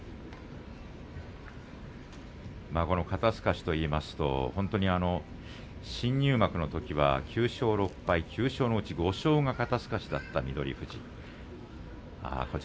肩すかしといいますと本当に新入幕のときは、９勝６敗９勝のうち５勝が肩すかしだった翠富士です。